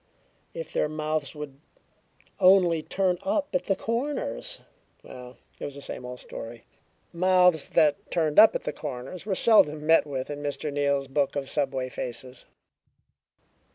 If their mouths would only turn up at the corners! Well, it was the same old story. Mouths that turned up at the corners were seldom met with in Mr. Neal's book of subway faces.